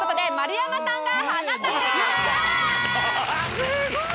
すごい！